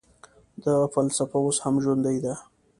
د هغه فلسفه اوس هم ژوندۍ ده.